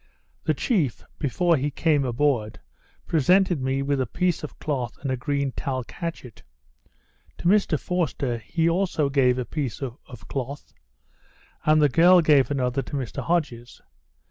The chief, before he came aboard, presented me with a piece of cloth and a green talc hatchet; to Mr Forster he also gave a piece or cloth; and the girl gave another to Mr Hodges.